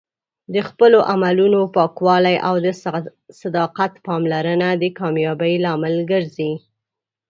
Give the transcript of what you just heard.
د خپلو عملونو پاکوالی او د صداقت پاملرنه د کامیابۍ لامل ګرځي.